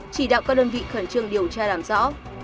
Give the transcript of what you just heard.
chỉ đạo các đơn vị khẩn trương điều tra làm rõ